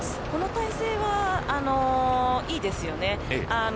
この大勢はいいですよね。